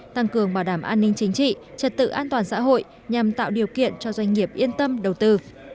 tăng cường bảo đảm an ninh chính trị trật tự an toàn xã hội nhằm tạo điều kiện cho doanh nghiệp yên tâm đầu tư